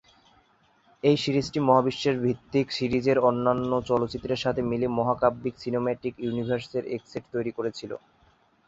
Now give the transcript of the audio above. এই সিরিজটি মহাবিশ্বের ভিত্তিক সিরিজের অন্যান্য চলচ্চিত্রের সাথে মিলে মহাকাব্যিক সিনেম্যাটিক ইউনিভার্সের এক সেট তৈরি করেছিল।